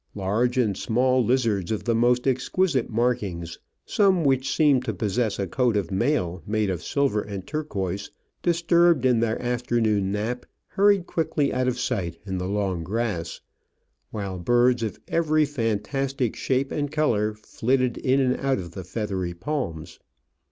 Large and small lizards, of the most exquisite markings — some which seemed to possess a coat of mail made of silver and turquoise — disturbed in their afternoon nap, hurried quickly out of sight in the long grass ; while birds of every fantastic shape and colour flitted in and out of the feathery palms.